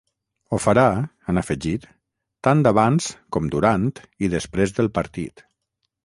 Ho farà, han afegit, ‘tant abans com durant i després del partit’.